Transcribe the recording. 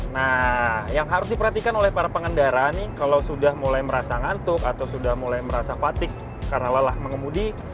nah yang harus diperhatikan oleh para pengendara nih kalau sudah mulai merasa ngantuk atau sudah mulai merasa fatigue karena lelah mengemudi